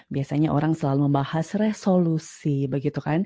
biasanya orang selalu membahas resolusi